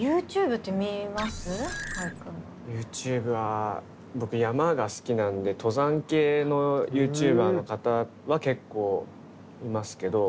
ＹｏｕＴｕｂｅは僕山が好きなんで登山系のＹｏｕＴｕｂｅｒの方は結構見ますけど。